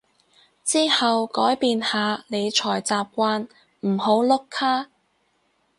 之後改變下理財習慣唔好碌卡